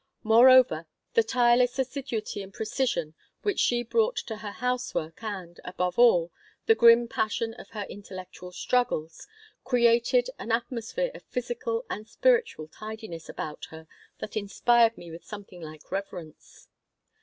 Moreover, the tireless assiduity and precision which she brought to her housework and, above all, the grim passion of her intellectual struggles created an atmosphere of physical and spiritual tidiness about her that inspired me with something like reverence.